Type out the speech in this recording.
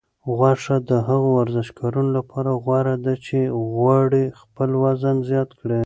غوښه د هغو ورزشکارانو لپاره غوره ده چې غواړي خپل وزن زیات کړي.